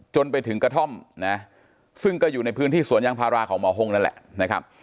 จนไปถึงกระท่อมนะซึ่งก็อยู่ในพื้นที่สวนยางพาราของหมอห้งนั่นแหละนะครับ